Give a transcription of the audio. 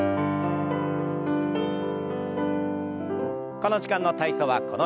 この時間の体操はこの辺で。